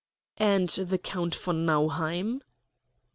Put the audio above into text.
"And the Count von Nauheim?"